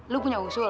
lu punya usul